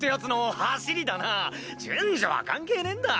順序は関係ねえんだ！